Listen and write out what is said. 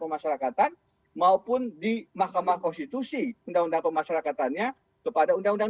pemasarakatan maupun di mahkamah konstitusi undang undang pemasyarakatannya kepada undang undang